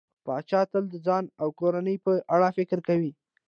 پاچا تل د ځان او کورنۍ په اړه فکر کوي.